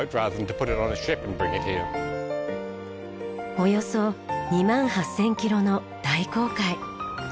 およそ２万８０００キロの大航海。